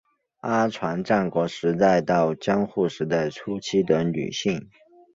阿船战国时代到江户时代初期的女性。